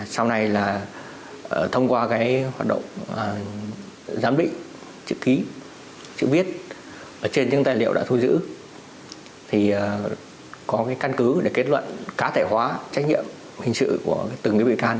sau này là thông qua cái hoạt động giám bị chữ ký chữ viết trên những tài liệu đã thu giữ thì có cái căn cứ để kết luận cá thể hóa trách nhiệm hình sự của từng bị can